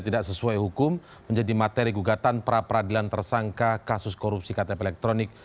tidak sesuai hukum menjadi materi gugatan pra peradilan tersangka kasus korupsi ktp elektronik